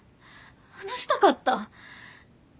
話したかった。